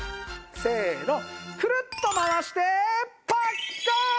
せーのくるっと回してパッカーン！